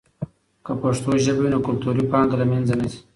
که پښتو ژبه وي، نو کلتوري پانګه له منځه نه ځي.